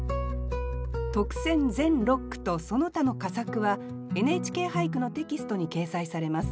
特選全六句とその他の佳作は「ＮＨＫ俳句」のテキストに掲載されます。